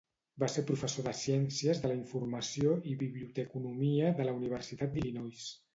Va ser professor de Ciències de la informació i Biblioteconomia de la Universitat d'Illinois.